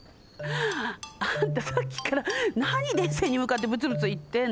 あんたさっきからなに電線にむかってブツブツいってんの？